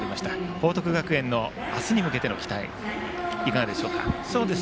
報徳学園の明日に向けての期待いかがでしょうか。